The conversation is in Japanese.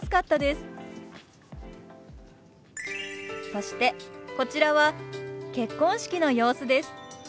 そしてこちらは結婚式の様子です。